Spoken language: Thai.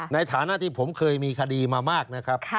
ในฐานะที่ผมเคยมีคดีมามากนะครับ